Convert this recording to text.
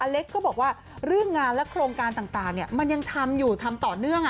เล็กก็บอกว่าเรื่องงานและโครงการต่างมันยังทำอยู่ทำต่อเนื่อง